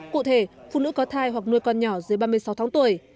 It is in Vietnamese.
cụ thể phụ nữ có thai hoặc nuôi con nhỏ dưới ba mươi sáu tháng tuổi